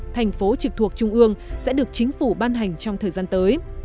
thành phố trực thuộc trung ương sẽ được chính phủ ban hành trong thời gian tới